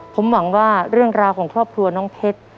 ผมหวังว่าเรื่องราวของครอบครัวน้องเพชร